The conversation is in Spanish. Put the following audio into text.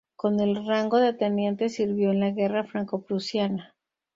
Con el rango de Teniente sirvió en la Guerra franco-prusiana.